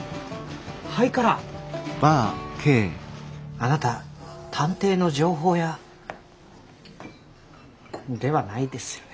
あなた探偵の情報屋。ではないですよね。